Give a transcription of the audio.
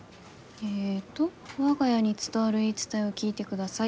えっと「我が家に伝わる言い伝えを聞いてください！